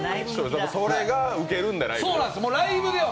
それがウケるんだ、ライブでは。